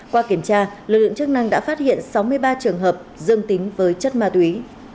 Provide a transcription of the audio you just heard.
qua kiểm tra lực lượng chức năng đã phát hiện sáu mươi ba trường hợp dương tính với chất ma túy